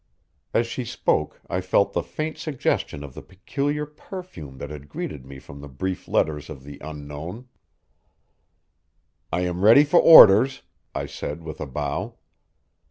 As she spoke, I felt the faint suggestion of the peculiar perfume that had greeted me from the brief letters of the Unknown. "I am ready for orders," I said with a bow.